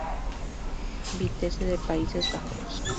Vitesse de Países Bajos.